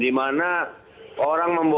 di mana orang membuat